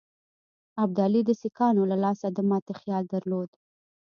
ابدالي د سیکهانو له لاسه د ماتي خیال درلود.